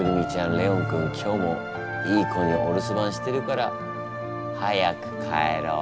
レオン君今日もいい子にお留守番してるから早く帰ろう。